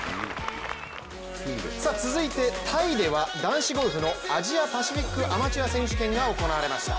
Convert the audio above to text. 続いてタイでは男子ゴルフのアジアアマチュア選手権が行われました。